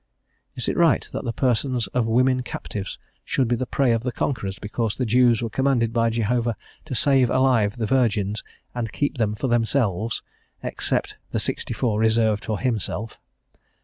Is it right that the persons of women captives should be the prey of the conquerors, because the Jews were commanded by Jehovah to save alive the virgins and keep them for themselves, except the sixty four reserved for himself?